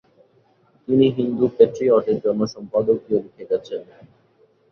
তিনি হিন্দু পেট্রিয়টের জন্য সম্পাদকীয় লিখে গেছেন ।